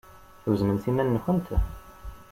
Tweznemt iman-nkent?